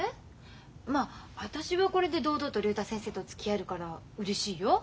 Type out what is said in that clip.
まあ私はこれで堂々と竜太先生とつきあえるからうれしいよ。